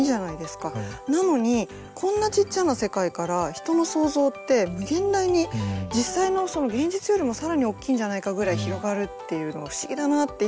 なのにこんなちっちゃな世界から人の想像って無限大に実際の現実よりも更に大きいんじゃないかぐらい広がるっていうのが不思議だなっていつも思うんです。